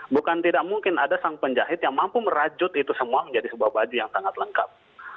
bukan tidak mungkin ada sang penjahit yang mampu merajut itu semua menjadi sebuah baju yang sangat lengkap